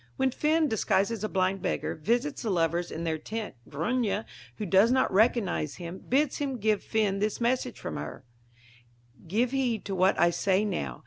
When Finn, disguised as a blind beggar, visits the lovers in their tent, Grania, who does not recognize him, bids him give Finn this message from her: Give heed to what I say now.